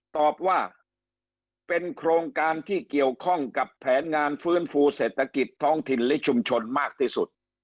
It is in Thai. ตอบว่าเป็นโครงการที่เกี่ยวข้องกับแผนงานฟื้นฟูเศรษฐกิจท้องถิ่นและชุมชนมากที่สุด